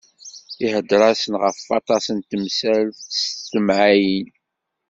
Iheddeṛ-asen ɣef waṭas n temsal s temɛayin.